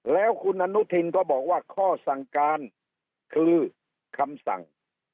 แล้วคุณอนุทินก็บอกว่าข้อสั่งการคือคำสั่ง